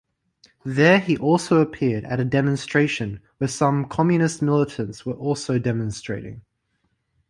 There he also appeared at a demonstration where some Communist militants were also demonstrating.